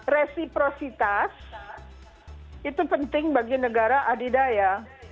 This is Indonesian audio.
resiprositas itu penting bagi negara adidaya